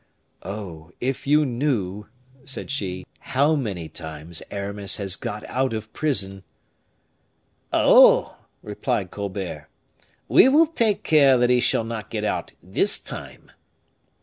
"Oh! if you knew," said she, "how many times Aramis has got out of prison!" "Oh!" replied Colbert, "we will take care that he shall not get out this time."